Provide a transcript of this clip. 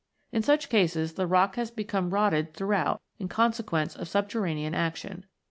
In such cases, the rock has become rotted throughout in consequence of subterranean action.